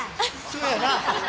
そうやな。